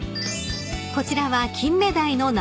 ［こちらは］